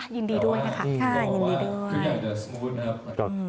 ยินดีด้วยนะคะ